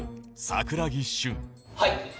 はい。